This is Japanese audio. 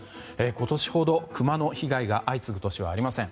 今年ほどクマの被害が相次ぐ年はありません。